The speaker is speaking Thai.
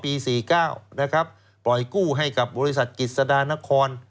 ปีสี่เก้านะครับปล่อยกู้ให้กับบริษัทกิสดานคร